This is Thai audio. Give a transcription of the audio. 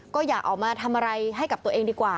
ก็อย่าออกมาทำอะไรให้กับตัวเองดีกว่า